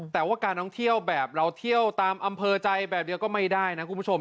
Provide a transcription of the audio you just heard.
แต่ว่าการท่องเที่ยวแบบเราเที่ยวตามอำเภอใจแบบเดียวก็ไม่ได้นะคุณผู้ชม